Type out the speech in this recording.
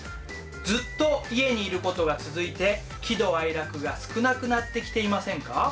ずっと家にいることが続いて喜怒哀楽が少なくなってきていませんか？